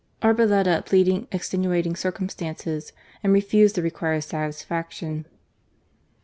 Arboleda pleaded ex tenuating circumstances and refused the required satisfaction.